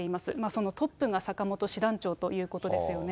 そのトップが坂本師団長ということですよね。